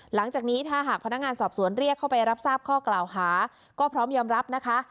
หลังจากนี้ถ้าหากพนักงานสอบสวนเรียกเข้าไปรับทราบข้อกล่าวหาก็พร้อมยอมรับนะคะ